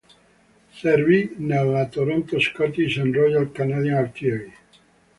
Servì nella Toronto Scottish and Royal Canadian Artillery.